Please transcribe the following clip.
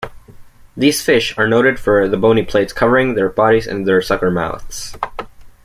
These fish are noted for the bony plates covering their bodies and their suckermouths.